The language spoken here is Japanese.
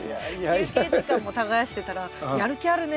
休憩時間も耕してたら「やる気あるね」